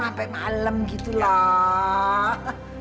sampai malam gitu lah